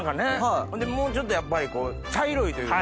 ほんでもうちょっとやっぱり茶色いというか。